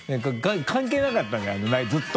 関係なかったじゃんずっと。